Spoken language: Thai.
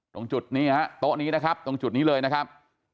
ตรงจุดนี้ฮะโต๊ะนี้นะครับตรงจุดนี้เลยนะครับ